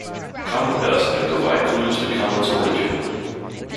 Comet dust can provide clues to comets' origin.